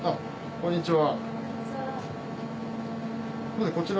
こんにちは。